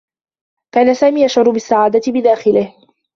كان سامي يشعر بالسّعادة بداخله.